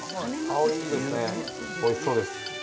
おいしそうです。